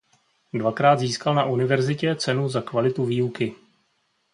Dvakrát získal na univerzitě cenu za kvalitu výuky.